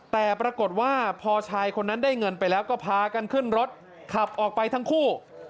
แต่ปรากฏว่าพอชายคนนั้นได้เงินไปแล้วก็พากันขึ้นรถขับออกไปทั้งคู่